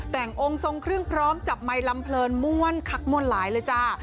แต่งองค์ทรงเครื่องพร้อมจับไมค์ลำเพลินม่วนคักมวลหลายเลยจ้า